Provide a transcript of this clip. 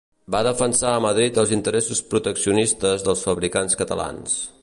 Va defensar a Madrid els interessos proteccionistes dels fabricants catalans.